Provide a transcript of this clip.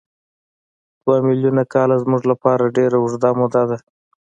دوه میلیونه کاله زموږ لپاره ډېره اوږده موده ده.